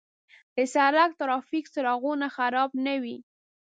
د سړک د ترافیک څراغونه خراب نه وي.